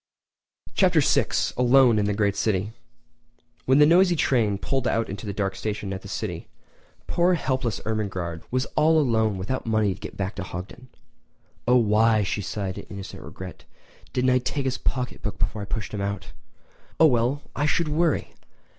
Chapter VI: Alone in the Great City[edit] When the noisy train pulled into the dark station at the city, poor helpless Ermengarde was all alone without the money to get back to Hogton. "Oh why," she sighed in innocent regret, "didn't I take his pocketbook before I pushed him out? Oh well, I should worry!